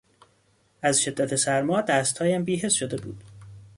از شدت سرما دستهایم بیحس شده بود.